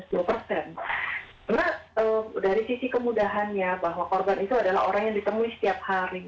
karena dari sisi kemudahannya bahwa korban itu adalah orang yang ditemui setiap hari